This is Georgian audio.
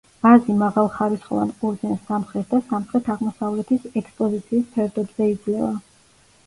ვაზი მაღალხარისხოვან ყურძენს სამხრეთ ან სამხრეთ-აღმოსავლეთის ექსპოზიციის ფერდობზე იძლევა.